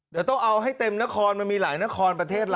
เดี๋ยวต้องเอาให้เต็มนครมันมีหลายนครประเทศเรา